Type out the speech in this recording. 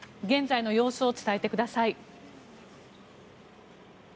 現在の様子を伝えてください。